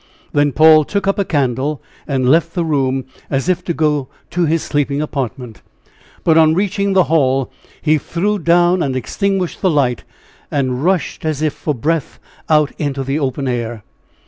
Then Paul took up a candle and left the room, as if to go to his sleeping apartment; but on reaching the hall, he threw down and extinguished the light and rushed as if for breath out into the open air.